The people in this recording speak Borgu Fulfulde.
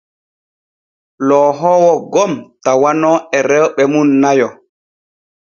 Loohoowo gom tawano e rewɓe mum nayo.